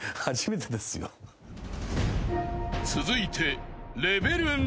［続いて］